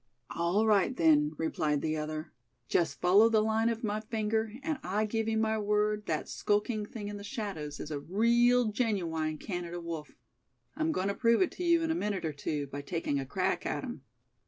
"All right, then," replied the other; "just follow the line of my finger, and I give you my word that skulking thing in the shadows is a real genuine, Canada wolf. I'm going to prove it to you in a minute or two, by taking a crack at him."